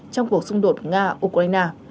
trong cuộc xung đột nga ukraine